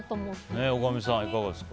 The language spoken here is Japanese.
大神さん、いかがですか。